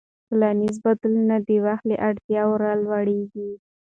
ټولنیز بدلون د وخت له اړتیاوو راولاړېږي.